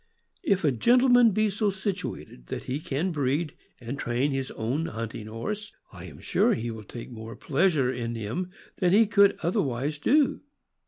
If a gentleman be so situated that he can breed and train his own hunting horse, I am sure he will take more pleasure in THE FOXHOUND. 207 him than he could otherwise do.